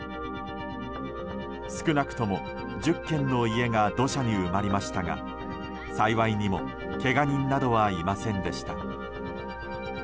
少なくとも１０軒の家が土砂に埋まりましたが幸いにもけが人などはいませんでした。